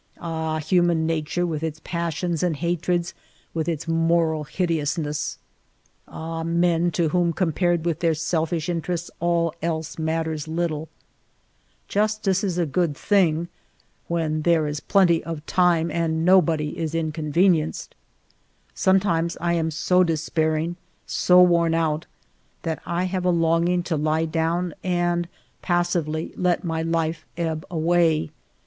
Ahj human nature with its passions and hatreds, with its moral hideousness ! Ah, men, to whom, compared with their selfish interests, all else matters little ! Justice is a good thing — when there is plenty of time and nobody is inconvenienced ! Sometimes I am so despairing, so worn out, that I have a longing to lie down and passively let my life ebb away.